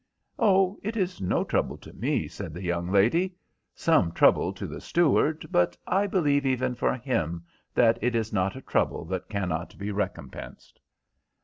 "Oh, it is no trouble to me," said, the young lady; "some trouble to the steward, but I believe even for him that it is not a trouble that cannot be recompensed."